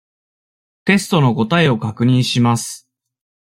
テストの答えを確認します。